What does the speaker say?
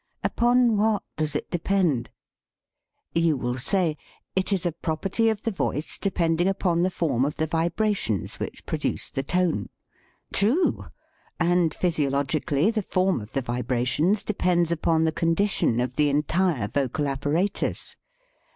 Upon what does it depend ? You will say, " It is a prop erty of the voice depending upon the form of the vibrations which produce the tone." True! And physiologically the form of the vibrations depends upon the condition of the entire vocal apparatus.